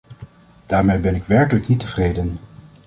Daarmee ben ik werkelijk niet tevreden.